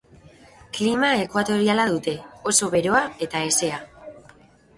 Klima ekuatoriala dute, oso beroa eta hezea.